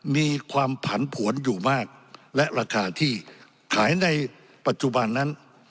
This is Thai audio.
มีความผันผวนอยู่มากและราคาที่ขายในปัจจุบันนั้น